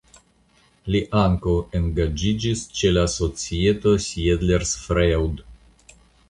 Li ankaŭ engaĝiĝis ĉe la societo "Siedlersfreud".